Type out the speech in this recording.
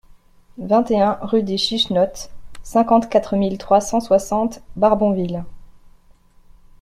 vingt et un rue des Chichenottes, cinquante-quatre mille trois cent soixante Barbonville